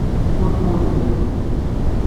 Ur ffunzren.